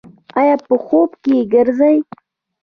ایا په خوب کې ګرځئ؟